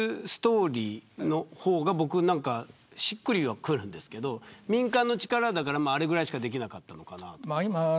その方が僕はしっくりくるんですけど民間の力だからあれぐらいしかできなかったのかな。